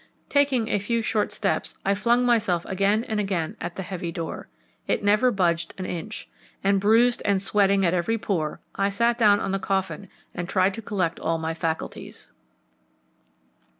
Taking a few short steps, I flung myself again and again at the heavy door. It never budged an inch, and, bruised and sweating at every pore, I sat down on the coffin and tried to collect all my faculties.